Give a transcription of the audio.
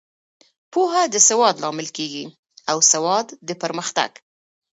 پوهه د سواد لامل کیږي او سواد د پرمختګ.